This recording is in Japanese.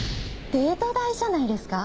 デート代じゃないですか？